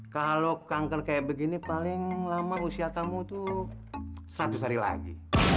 kalau kanker kayak begini paling lama usia tamu itu seratus hari lagi